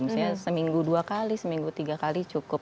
misalnya seminggu dua kali seminggu tiga kali cukup